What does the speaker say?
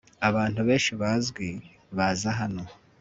abantu benshi bazwi baza hano